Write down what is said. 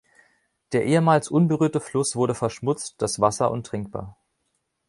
Der ehemals unberührte Fluss wurde verschmutzt, das Wasser untrinkbar.